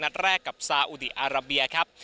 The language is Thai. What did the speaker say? นัดแรกกับซาอุดีอาราเบียครับ